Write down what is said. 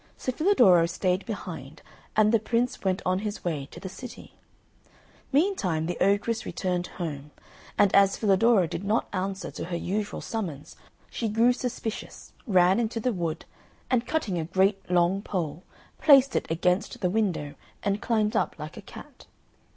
So Filadoro stayed behind and the Prince went on his way to the city. Meantime the ogress returned home, and as Filadoro did not answer to her usual summons, she grew suspicious, ran into the wood, and cutting a great, long pole, placed it against the window and climbed up like a cat.